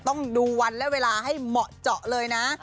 ต้องดูวันและเวลาให้เหมาะเจาะเลยนะ